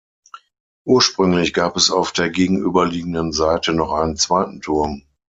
Ursprünglich gab es auf der gegenüberliegenden Seite noch einen zweiten Turm.